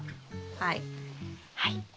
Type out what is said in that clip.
はい。